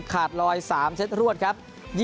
ขาดลอย๓เซตรวดครับ